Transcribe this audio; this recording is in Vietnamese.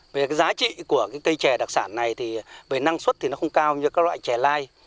về giá trị của cây trẻ đặc sản này thì về năng suất thì nó không cao như các loại trẻ lai